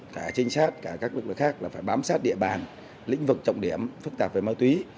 cả trinh sát cả các lực lượng khác là phải bám sát địa bàn lĩnh vực trọng điểm phức tạp về ma túy